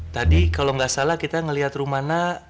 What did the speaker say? tadi kalau gak salah kita ngelihat rumana